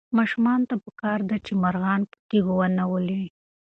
ماشومانو ته پکار ده چې مرغان په تیږو ونه ولي.